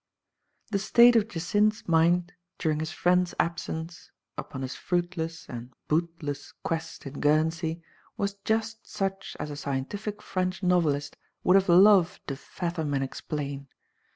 The state of Jacynth*s mind, during his friend's absence upon his fruitless and bootless quest in Guernsey, was just such as a scientific French novelist would have loved to fathom and explain.